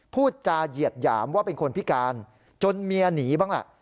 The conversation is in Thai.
พูดจาเหยียดหยามว่าเป็นคนพิการจนเมียหนีบ้างล่ะ